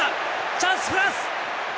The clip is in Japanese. チャンス、フランス！